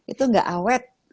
itu gak awet